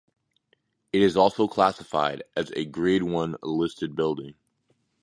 It is also classified as a Grade One listed building.